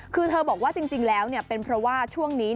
คือเธอบอกว่าจริงแล้วเป็นเพราะว่าช่วงนี้